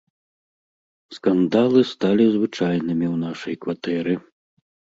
Скандалы сталі звычайнымі ў нашай кватэры.